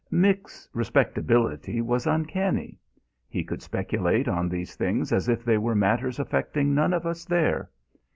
Mick's respectability was uncanny. He could speculate on these things as if they were matters affecting none of us there.